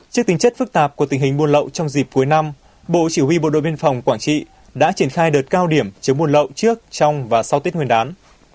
trước tình chất phức tạp của tình hình buôn lậu trong dịp cuối năm bộ chỉ huy bộ đội biên phòng quảng trị đã triển khai đợt cao điểm chống buôn lậu trước trong và sau tết nguyên đán